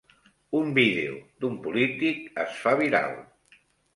Un vídeo d'un polític es fa viral